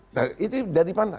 nah itu dari mana